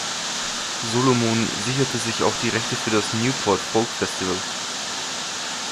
Solomon sicherte sich auch die Rechte für das Newport Folk Festival.